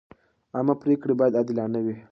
عامه پریکړې باید عادلانه وي.